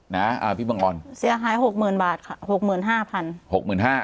อ่าพี่บังออนเสียหายหกหมื่นบาทค่ะหกหมื่นห้าพันหกหมื่นห้า